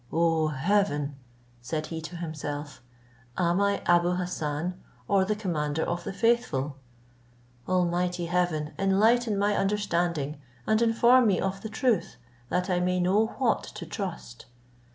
"O Heaven!" said he to himself, "am I Abou Hassan, or the commander of the faithful! Almighty God, enlighten my understanding, and inform me of the truth, that I may know what to trust."